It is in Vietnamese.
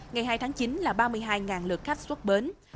ngày hai tháng chín là ba mươi hai lượt khách xuất bến